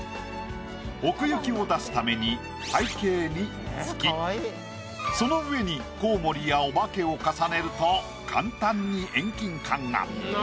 奥行きを出すために背景に月その上にコウモリやお化けを重ねると簡単に遠近感が。